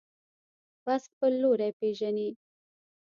باز خپل لوری پېژني